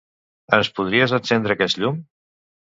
Ens podries encendre aquest llum?